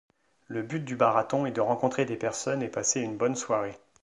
Le but du barathon est de rencontrer des personnes et passer une bonne soirée.